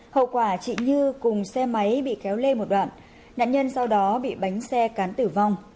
hậu quả chị như cùng xe máy bị kéo lê một đoạn nạn nhân sau đó bị bánh xe cán tử vong